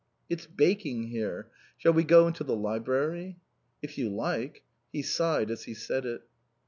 "It's baking here. Shall we go into the library?" "If you like." He sighed as he said it.